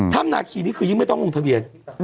ธรรมนาคีนี้คือยังไม่ต้องลงทะเวียน